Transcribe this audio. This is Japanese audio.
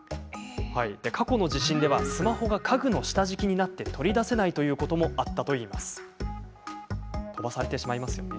過去の地震ではスマホが家具の下敷きになって取り出せないということもあったといいます。